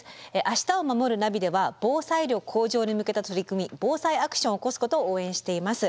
「明日をまもるナビ」では防災力向上に向けた取り組み「ＢＯＳＡＩアクション」を起こすことを応援しています。